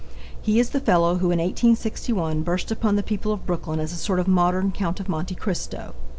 He is the fellow who in 1861 burst upon the people of Brooklyn as a sort of modern Count of Monte Cristo.